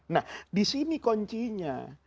nah disini koncinya